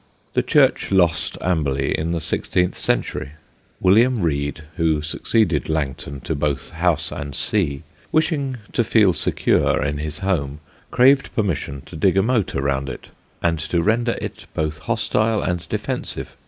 The Church lost Amberley in the sixteenth century. William Rede, who succeeded Langton to both house and see, wishing to feel secure in his home, craved permission to dig a moat around it and to render it both hostile and defensive.